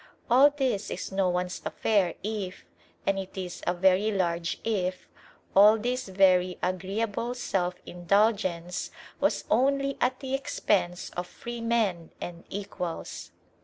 All this is no one's affair if and it is a very large IF all this very agreeable self indulgence was only at the expense of freemen and equals.